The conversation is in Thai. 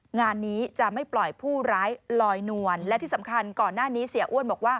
งานนี้จะไม่ปล่อยผู้ร้ายลอยนวลและที่สำคัญก่อนหน้านี้เสียอ้วนบอกว่า